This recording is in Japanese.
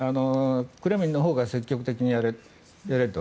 クレムリンのほうが積極的にやれと。